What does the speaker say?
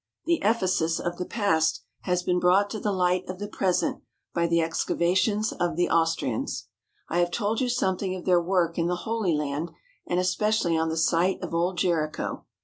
The Ephesus of the past has been brought to the light of the present by the excavations of the Austrians. I have told you something of their work in the Holy Land, and especially on the site of old Jericho.